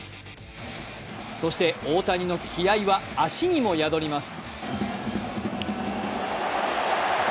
そして、大谷の気合いは足にも宿ります。